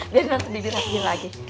biar nanti dibirah bihin lagi